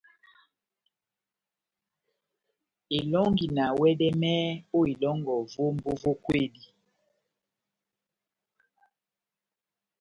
Elɔ́ngi na wɛdɛmɛhɛ ó ilɔ́ngɔ vómbo vó kwedi.